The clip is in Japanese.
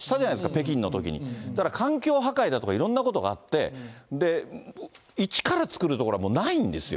北京のときに、だから環境破壊だとかいろんなことがあって、一から造る所は、もうないんですよ。